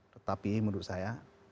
tetapi menurut saya